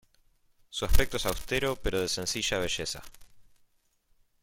Su aspecto es austero pero de sencilla belleza.